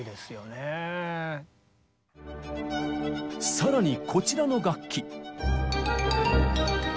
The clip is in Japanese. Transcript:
更にこちらの楽器。